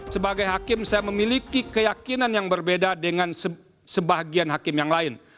sebagai hakim saya memiliki keyakinan yang berbeda dengan sebagian hakim yang lain